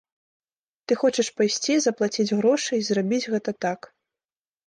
Ты хочаш пайсці, заплаціць грошы, і зрабіць гэта так.